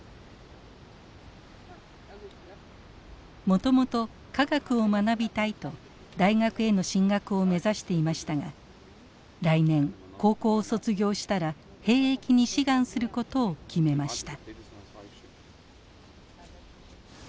もともと化学を学びたいと大学への進学を目指していましたが来年高校を卒業したら兵役に志願することを決めました。